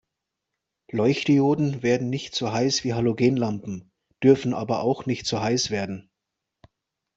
Leuchtdioden werden nicht so heiß wie Halogenlampen, dürfen aber auch nicht so heiß werden.